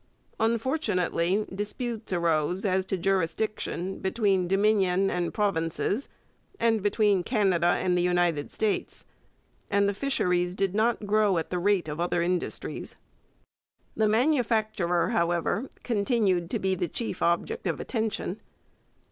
Unfortunately, disputes arose as to jurisdiction between Dominion and provinces and between Canada and the United States, and the fisheries did not grow at the rate of other industries. The manufacturer, however, continued to be the chief object of attention.